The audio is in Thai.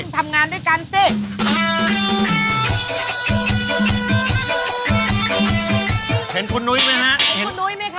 ว่าแครงราวที่ต้องทำงานด้วยกันสิ